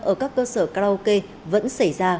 ở các cơ sở karaoke vẫn xảy ra